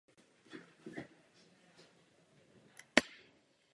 Proto nemějme žádné iluze.